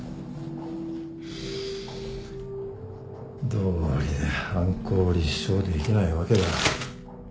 どうりで犯行を立証できないわけだ。